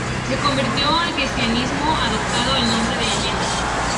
Se convirtió al cristianismo adoptando el nombre de Elena.